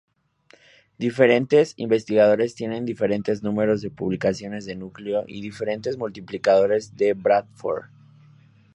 Diferentes investigadores tienen diferentes números de publicaciones de núcleo, y diferentes multiplicadores de Bradford.